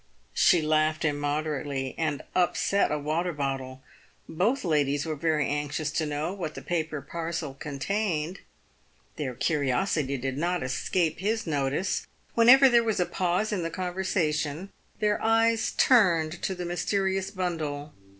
She laughed immoderately, and upset a water bottle. Both the ladies were very anxious to know what the paper parcel contained. Their curiosity did not escape his notice. Whenever PAVED WITH GOLD. 305 there was a pause in the conversation their eyes turned to the myste rious bundle.